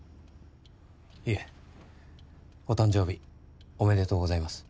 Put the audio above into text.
いえお誕生日おめでとうございます。